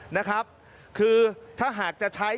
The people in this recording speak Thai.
นะครับคือถ้าหากจะใช้